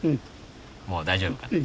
もう大丈夫かな？